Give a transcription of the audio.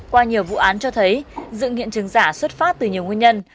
qua nhiều vụ án cho thấy dựng hiện trường giả xuất phát từ nhiều nguyên nhân